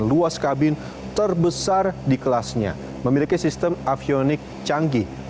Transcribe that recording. luas kabin terbesar di kelasnya memiliki sistem avionik canggih